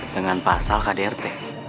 dengan pasal kdrt